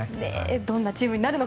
どんなチームになるのか